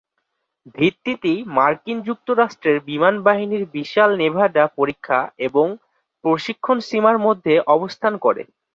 ভিত্তিটি মার্কিন যুক্তরাষ্ট্রের বিমান বাহিনীর বিশাল নেভাডা পরীক্ষা এবং প্রশিক্ষণ সীমার মধ্যে অবস্থান করে।